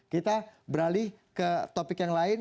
kita beralih ke topik yang lain